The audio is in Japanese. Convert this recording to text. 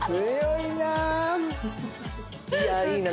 いやいいな。